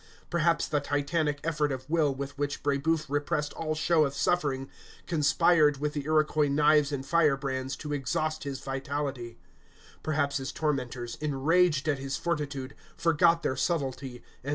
Perhaps the Titanic effort of will with which Brébeuf repressed all show of suffering conspired with the Iroquois knives and firebrands to exhaust his vitality; perhaps his tormentors, enraged at his fortitude, forgot their subtlety, and struck too near the life.